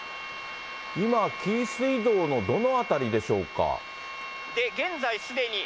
今、紀伊水道のどの辺りでしょうか。